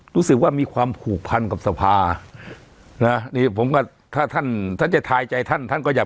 รู้สึกว่ามีความผูกพันกับสภานะนี่ผมก็ถ้าท่านท่านจะทายใจท่านท่านก็อยาก